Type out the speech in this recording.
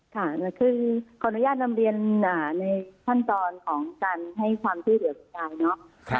ค่ะคือขออนุญาตนำเรียนในขั้นตอนของการให้ความช่วยเหลือคุณยายเนาะ